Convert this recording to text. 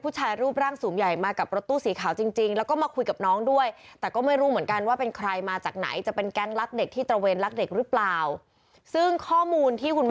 พูดช่ารูปร่างสูงใหญ่มากับรถตู้สีขาวจริงแล้วก็มาคุยกับน้องเลย